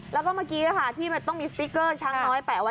แล้วก็เมื่อกี้ที่มันต้องมีสติ๊กเกอร์ช้างน้อยแปะไว้